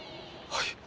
はい。